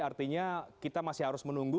artinya kita masih harus menunggu